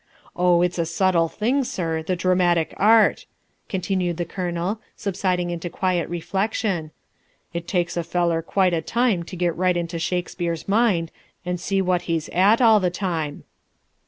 Oh, it's a subtle thing, sir, the dramatic art!" continued the Colonel, subsiding into quiet reflection; "it takes a feller quite a time to get right into Shakespeare's mind and see what he's at all the time."